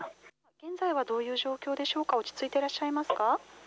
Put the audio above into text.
現在はどういう状況でしょうか、落ち着いていますか。